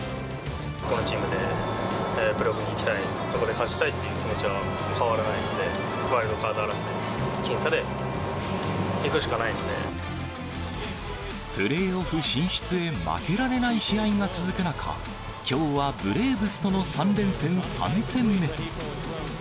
このチームでプレーオフに行きたい、そこで勝ちたいという気持ちは変わらないので、ワイルドカード争いは、プレーオフ進出へ負けられない試合が続く中、きょうはブレーブスとの３連戦３戦目。